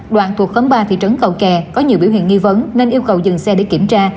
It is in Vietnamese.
đoạn thuộc khấm ba thị trấn cầu kè có nhiều biểu hiện nghi vấn nên yêu cầu dừng xe để kiểm tra